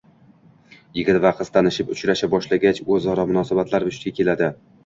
Yigit va qiz tanishib, uchrasha boshlashgach, o`zaro munosabatlar vujudga keladi